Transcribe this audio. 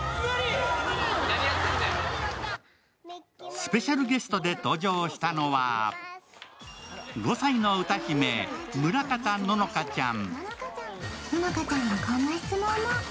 スペシャルゲストで登場したのは、５歳の歌姫・村方乃々佳ちゃん。